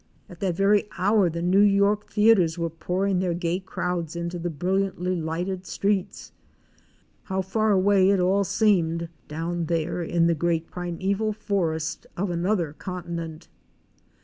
At that very hour the New York Theatres were pouring their gay crowds into the brilliantly lighted streets. How far away it all seemed, down there in the great primeval forest of another continent!